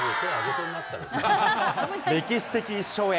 歴史的一勝へ。